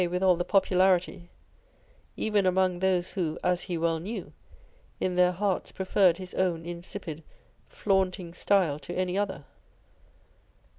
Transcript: with all the popularity even among those who (as he well knew) in their hearts preferred his own insipid, flaunting style to any other